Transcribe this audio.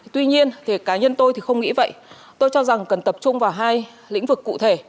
tuy nhiên thì cá nhân tôi thì không nghĩ vậy tôi cho rằng cần tập trung vào hai lĩnh vực cụ thể